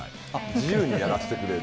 自由にやらせてくれる。